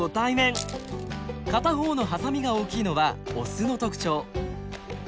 片方のハサミが大きいのはオスの特徴。